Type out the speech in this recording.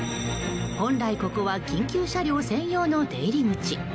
本来ここは緊急車両専用の出入り口。